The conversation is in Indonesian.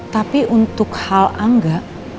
tapi untuk hal angga